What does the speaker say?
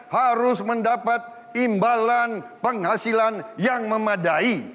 harus mendapat imbalan penghasilan yang memadai